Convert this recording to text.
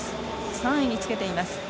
３位につけています。